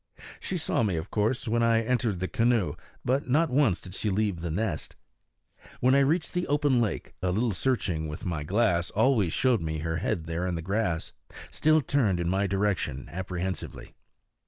She saw me, of course, when I entered the canoe, but not once did she leave the nest. When I reached the open lake, a little searching with my glass always showed me her head there in the grass, still turned in my direction apprehensively.